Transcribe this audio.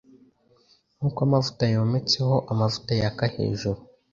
Nkuko amavuta yometseho amavuta yaka hejuru